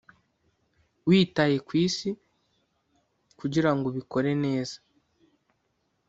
Witaye ku isi kugira ngo ubikore neza.